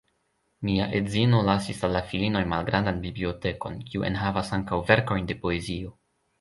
Mia edzino lasis al la filinoj malgrandan bibliotekon, kiu enhavas ankaŭ verkojn de poezio.